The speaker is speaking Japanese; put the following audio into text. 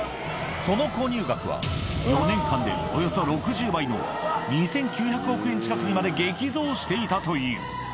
その購入額は４年間でおよそ６０倍の２９００億円近くにまで激増していたという。